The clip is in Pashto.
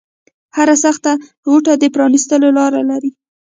هره سخته غوټه د پرانیستلو لاره لري